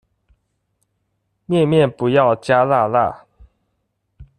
麵麵不要加辣辣